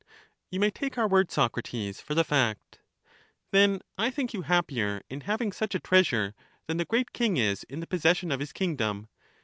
You may take our word, Socrates, for the fact. Then I think you happier in having such a treasure than the great king is in the possession of his king dom.